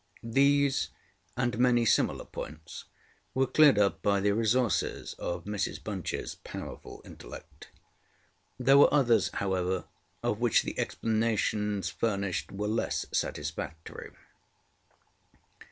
ŌĆØ These and many similar points were cleared up by the resources of Mrs BunchŌĆÖs powerful intellect. There were others, however, of which the explanations furnished were less satisfactory.